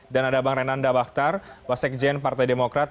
dan ada bang renanda bakhtar wasik jen partai demokrat